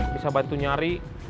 bisa bantu nyari